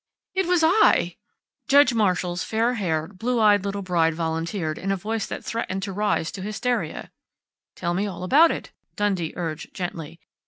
"It was I," Judge Marshall's fair haired, blue eyed little bride volunteered in a voice that threatened to rise to hysteria. "Tell me all about it," Dundee urged gently.